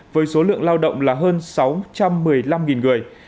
với số lượng lao động là hơn sáu trăm một mươi năm người